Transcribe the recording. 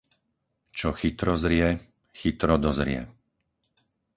Čo chytro zrie chytro dozrie.